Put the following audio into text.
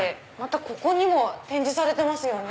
ここにも展示されてますよね。